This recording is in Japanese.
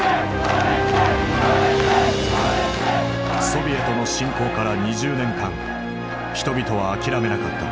ソビエトの侵攻から２０年間人々は諦めなかった。